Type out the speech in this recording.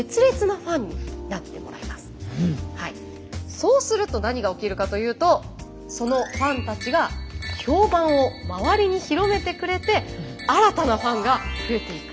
そうすると何が起きるかというとそのファンたちが評判を周りに広めてくれて新たなファンが増えていく。